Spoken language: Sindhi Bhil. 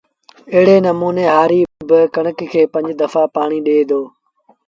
ايڙي نموٚني هآري ڪڻڪ کي با پنج دڦآ پآڻيٚ ڏي دو